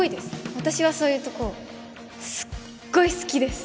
私はそういうとこすっごい好きです